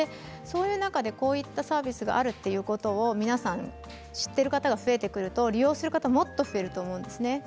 そういった中でこういうサービスがあるということを皆さん、知っている方が増えてくると利用する方がもっと増えると思うんですね。